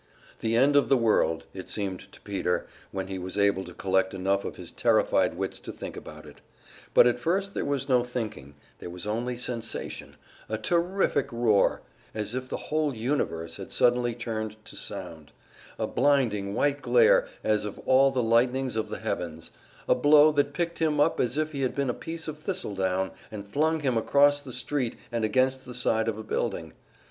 The end of the world, it seemed to Peter, when he was able to collect enough of his terrified wits to think about it. But at first there was no thinking; there was only sensation a terrific roar, as if the whole universe had suddenly turned to sound; a blinding white glare, as of all the lightnings of the heavens; a blow that picked him up as if he had been a piece of thistledown, and flung him across the street and against the side of a building.